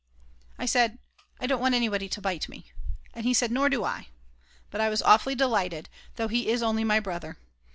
I said: "I don't want anyone to bite me," and he said: "Nor do I," but I was awfully delighted, though he is only my brother.